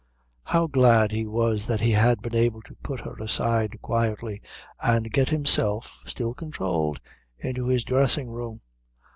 How glad he was that he had been able to put her aside quietly and get himself, still controlled, into his dressing room.